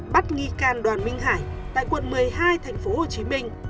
bắt nghi can đoàn minh hải tại quận một mươi hai tp hcm